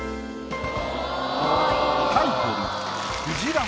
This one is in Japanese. タイトル。